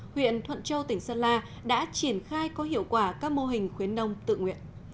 huyện thuận châu tỉnh sơn la đã triển khai có hiệu quả các mô hình khuyến nông tự nguyện